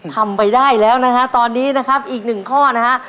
ทำไปได้แล้วนะฮะตอนนี้นะครับอีกหนึ่งข้อนะฮะ